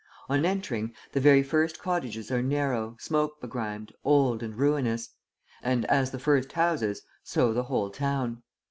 On entering, the very first cottages are narrow, smoke begrimed, old and ruinous; and as the first houses, so the whole town.